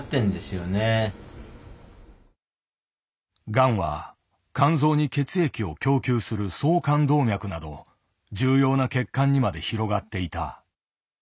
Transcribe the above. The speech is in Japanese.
がんは肝臓に血液を供給する総肝動脈など重要な血管にまで広がっていた。